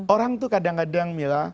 orang tuh kadang kadang mila